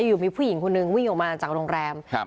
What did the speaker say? อยู่มีผู้หญิงคนนึงวิ่งออกมาจากโรงแรมครับ